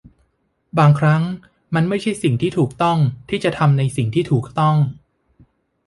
บางครั้งมันไม่ใช่สิ่งที่ถูกต้องที่จะทำในสิ่งที่ถูกต้อง